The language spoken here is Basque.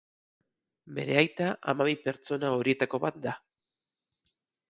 Bere aita hamabi pertsona horietako bat da.